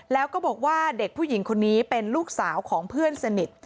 แล้วก็บอกว่าเด็กผู้หญิงคนนี้เป็นลูกสาวของเพื่อนสนิท